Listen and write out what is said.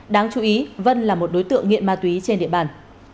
đáng chú ý vân là một đối tượng nghiện ma túy trên địa bàn